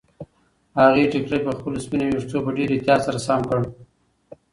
هغې ټیکری پر خپلو سپینو ویښتو په ډېر احتیاط سره سم کړ.